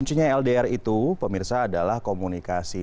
kuncinya ldr itu pemirsa adalah komunikasi